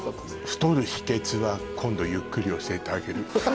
太る秘訣は今度ゆっくり教えてあげる。